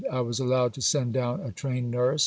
I was allowed to send down a Trained Nurse.